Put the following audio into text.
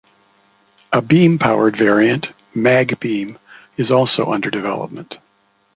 A beam-powered variant, MagBeam, is also under development.